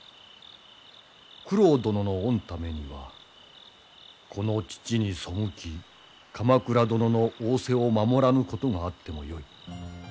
九郎殿のおんためにはこの父に背き鎌倉殿の仰せを守らぬことがあってもよい。